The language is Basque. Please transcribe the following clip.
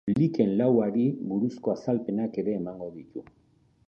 Liken lauari buruzko azalpenak ere emango ditu.